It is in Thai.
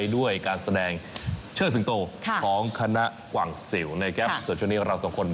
สวัสดีครับ